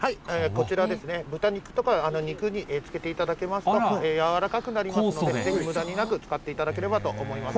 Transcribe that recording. こちらですね、豚肉とか肉に漬けていただきますと、柔らかくなりますので、ぜひむだなく使っていただければと思います。